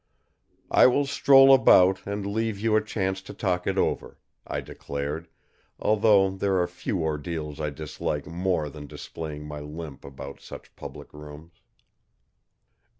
"I will stroll about and leave you a chance to talk it over," I declared; although there are few ordeals I dislike more than displaying my limp about such public rooms.